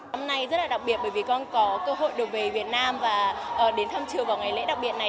hôm nay rất là đặc biệt bởi vì con có cơ hội được về việt nam và đến thăm trường vào ngày lễ đặc biệt này